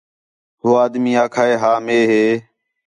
ہو آدمی آکھا ہِے ہا مے ہے